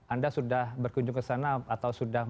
anda sudah berkunjung kesana atau sudah